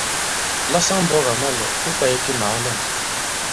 La saŋ-mbɔ̄k à ma-lɔ̀, ki kwāye ki màa lɛ᷇n.